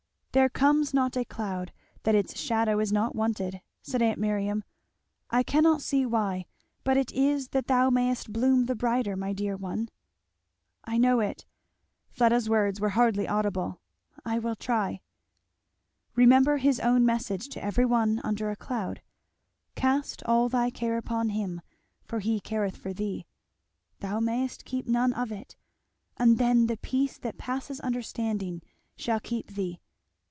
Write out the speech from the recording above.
"There comes not a cloud that its shadow is not wanted," said aunt Miriam. "I cannot see why, but it is that thou mayest bloom the brighter, my dear one." "I know it, " Fleda's words were hardly audible, "I will try " "Remember his own message to every one under a cloud 'cast all thy care upon him, for he careth for thee;' thou mayest keep none of it; and then the peace that passeth understanding shall keep thee.